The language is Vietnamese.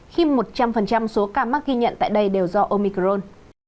khi một trăm linh số ca mắc ghi nhận tại đây đều do omicron